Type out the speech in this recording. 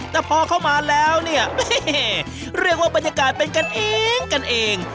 แต่พอเข้ามาแล้วเนี่ยเรียกว่าบรรยากาศเป็นกันเองกันเอง